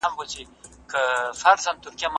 ولي دقیقي پرېکړي مهمي دي؟